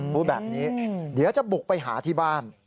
พูดแบบนี้เดี๋ยวจะบุกไปหาที่บ้าน